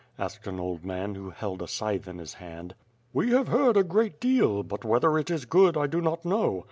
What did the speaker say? asked an old man, who held a scythe in his hand. "We have heard a great deal, but whether it is good I do not know.